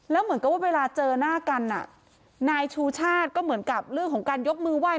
แล้วเหมือนกับว่าเวลาเจอหน้ากันนายชูชาติก็เหมือนกับเรื่องของการยกมือไหว้